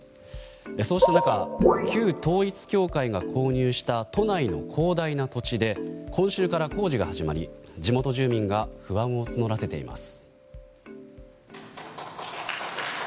そうした中、旧統一教会が購入した都内の広大な土地で今週から工事が始まり地元住民が不安を募らせています。